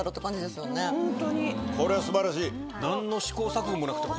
これは素晴らしい。